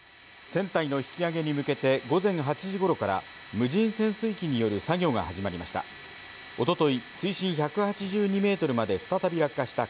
船体の引き揚げに向けて午前８時頃から無人潜水機による作業が始まりました。